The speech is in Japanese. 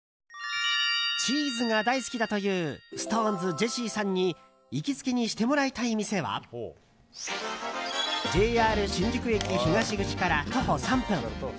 チーズが大好きだというＳｉｘＴＯＮＥＳジェシーさんに行きつけにしてもらいたい店はＪＲ新宿駅東口から徒歩３分。